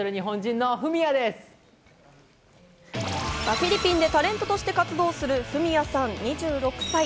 フィリピンでタレントとして活動するＦｕｍｉｙａさん、２６歳。